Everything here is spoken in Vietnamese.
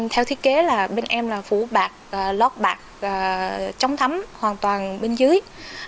theo thiết kế là bên em là phủ bạc lót bạc chống thấm hoàn toàn bên dưới